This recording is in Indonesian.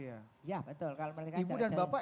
iya betul kalau mereka jarak jauh